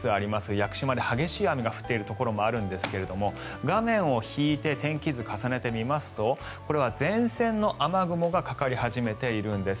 屋久島で激しい雨が降っているところもあるんですが画面を引いて天気図を重ねてみますとこれは前線の雨雲がかかり始めているんです。